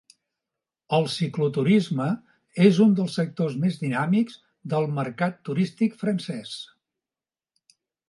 El cicloturisme és un dels sectors més dinàmics del mercat turístic francès.